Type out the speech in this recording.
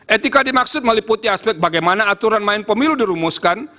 etika dimaksud meliputi aspek bagaimana aturan main pemilu dirumuskan